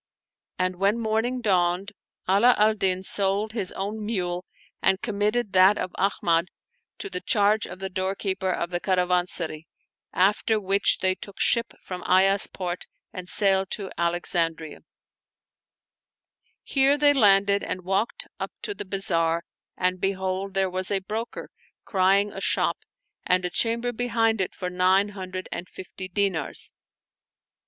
And when morning dawned, Ala al Din sold his own mule and committed that of Ahmad to the charge of the door keeper of the caravansary, after which they took ship from Ayas port and sailed to Alexandria. Here they landed and walked up to the bazaar and behold, there was a broker crying a shop and a chamber behind it for nine hundred and fifty dinars.